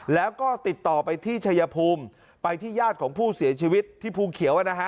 แล้วก็ติดต่อไปที่ชัยภูมิไปที่ญาติของผู้เสียชีวิตที่ภูเขียว